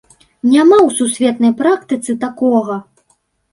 Няма ў сусветнай практыцы такога!